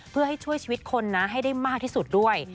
เพื่อให้ช่วยชีวิตคนนะให้ได้มากที่สุดด้วย